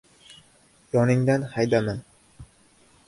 yoningdan haydama.